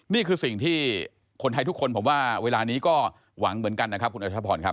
นี่คือสิ่งที่คนไทยทุกคนผมว่าเวลานี้ก็หวังเหมือนกันนะครับคุณอัธพรครับ